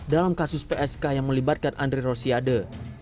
dalam kasus psk yang melibatkan andre rosiade